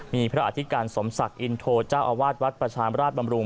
มีพระอธิการสมศักดิ์อินโทเจ้าอาวาสวัดประชามราชบำรุง